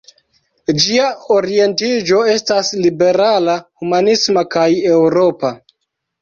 Ĝia orientiĝo estas liberala, humanisma kaj eŭropa.